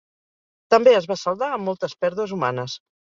També es va saldar amb moltes pèrdues humanes.